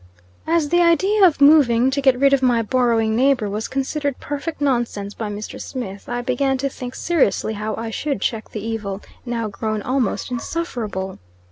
As the idea of moving to get rid of my borrowing neighbor was considered perfect nonsense by Mr. Smith, I began to think seriously how I should check the evil, now grown almost insufferable.